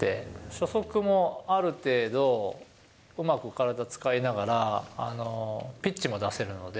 初速もある程度、うまく体使いながらピッチも出せるので。